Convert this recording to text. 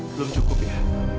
belum cukup ya